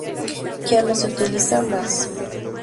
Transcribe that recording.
Ya no se utiliza más.